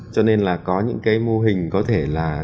cho nên là có những cái mô hình có thể là